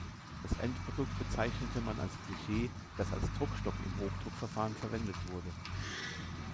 Das Endprodukt bezeichnete man als Klischee, das als Druckstock im Hochdruckverfahren verwendet wurde.